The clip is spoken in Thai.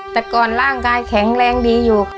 แต่ก่อนร่างกายแข็งแรงดีอยู่